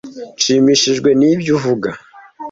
Nshimishijwe nibyo uvuga.